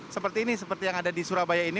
seperti ini seperti yang ada di surabaya ini